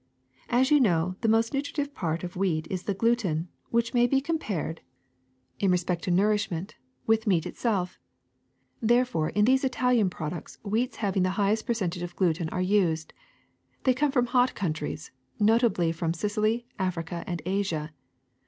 ^*As you now know, the most nutritive part of wheat is the gluten, which may be compared, in re 266 OTHER WHEAT PRODUCTS 267 spect to nourishment, with meat itself. Therefore in these Italian products wheats having the highest percentage of gluten are used. They come from hot countries, notably from Sicily, Africa, and Asia.